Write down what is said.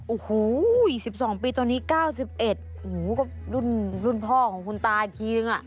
โอ้โห๑๒ปีตอนนี้๙๑โอ้โหก็รุ่นพ่อของคุณตาอีกทีนึง